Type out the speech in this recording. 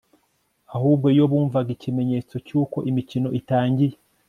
ahubwo iyo bumvaga ikimenyetso cy'uko imikino itangiye